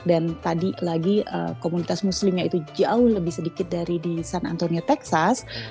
dan tadi lagi komunitas muslimnya itu jauh lebih sedikit dari di san antonio texas